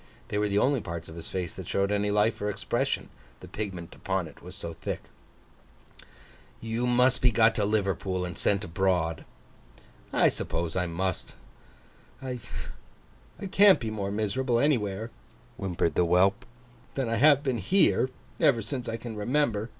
They were the only parts of his face that showed any life or expression, the pigment upon it was so thick. 'You must be got to Liverpool, and sent abroad.' 'I suppose I must. I can't be more miserable anywhere,' whimpered the whelp, 'than I have been here, ever since I can remember.